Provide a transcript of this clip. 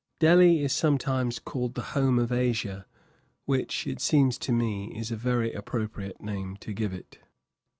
Delhi is sometimes called the "Home of Asia," which, it seems to me, is a very appropriate name to give it.